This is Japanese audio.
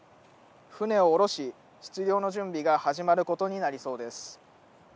船を下ろし、出漁の準備が始まることになりそうです。